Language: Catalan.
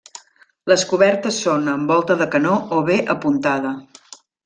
Les cobertes són amb volta de canó o bé apuntada.